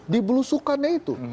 di belusukannya itu